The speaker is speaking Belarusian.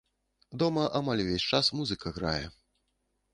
Дома амаль увесь час музыка грае.